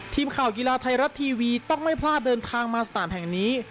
ทีมข่าวกีฬาไทยรัฐทีวีต้องไม่พลาดเดินทางมาสนามแห่งนี้